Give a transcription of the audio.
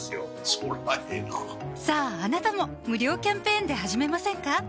そりゃええなさぁあなたも無料キャンペーンで始めませんか？